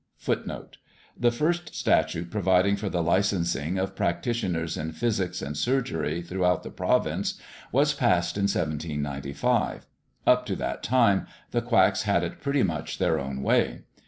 [#] The first statute providing for the licensing of practitioners in physics and surgery throughout the province was passed in 1795. Up to that time the quacks had it pretty much their own way.